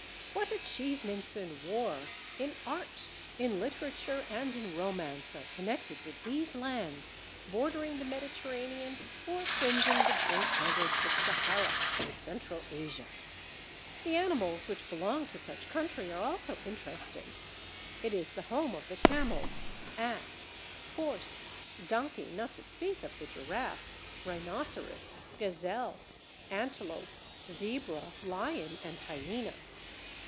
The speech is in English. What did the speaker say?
What achievements in war, in art, in literature, and in romance are connected with these lands bordering the Mediterranean or fringing the great deserts of Sahara and central Asia! The animals which belong to such country are also interesting. It is the home of the camel, ass, horse, donkey, not to speak of the giraffe, rhinoceros, gazelle, antelope, zebra, lion, and hyena.